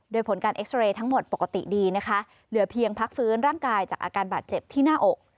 โดยผลการเอ็กซ์เรย์ทั้งหมดปกติดีนะคะเหลือเพียงพักฟื้นร่างกายจากอาการบาดเจ็บที่หน้าอก